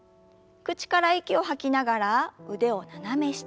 口から息を吐きながら腕を斜め下。